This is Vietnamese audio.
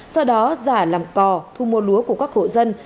sau đó giả làm cò thu mua lúa của các hộ dân